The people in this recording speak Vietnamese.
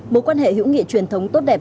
mối quan hệ hữu nghị truyền thống tốt đẹp